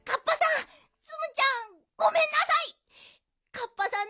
カッパさん